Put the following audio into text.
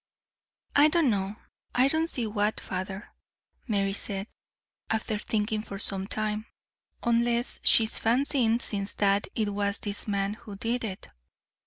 "I don't know. I don't see what, father," Mary said, after thinking for some time, "unless she is fancying since that it was this man who did it.